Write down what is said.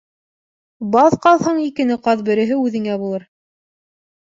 Баҙ ҡаҙһаң, икене ҡаҙ береһе үҙеңә булыр.